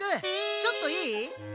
ちょっといい？え？